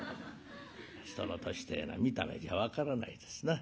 人の年てえのは見た目じゃ分からないですな。